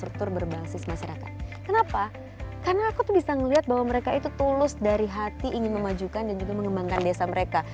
karena aku tuh bisa ngeliat bahwa mereka itu tulus dari hati ingin memajukan dan juga mengembangkan desa mereka